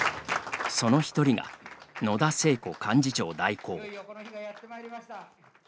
その１人が野田聖子幹事長代行。